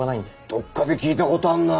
どっかで聞いた事あんな。